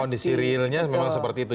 kondisi realnya memang seperti itu